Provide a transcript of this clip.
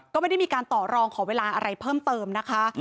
ก็ไม่ได้มีการต่อรองขอเวลาอะไรเพิ่มเติมนะคะ